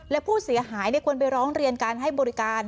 และผู้เสียหายควรไปร้องเรียนการให้บริการ